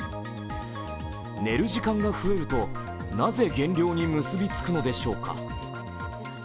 寝る時間が増えるとなぜ減量に結びつくのでしょうか。